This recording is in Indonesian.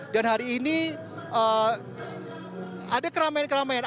dan hari ini ada keramaian keramaian